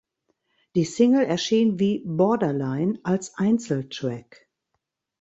Die Single erschien wie "Borderline" als Einzeltrack.